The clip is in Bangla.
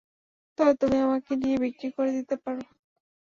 তবে তুমি আমাকে নিয়ে বিক্রি করে দিতে পার।